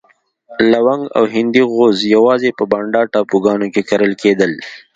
لونګ او هندي غوز یوازې په بانډا ټاپوګانو کې کرل کېدل.